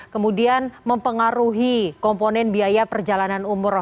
kemudian mempengaruhi komponen biaya perjalanan umroh